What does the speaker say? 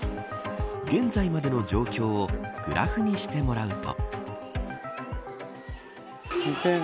現在までの状況をグラフにしてもらうと。